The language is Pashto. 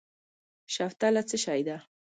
شوتله څه شی ده؟